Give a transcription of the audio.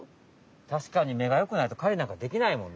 たしかに目がよくないと狩りなんかできないもんね。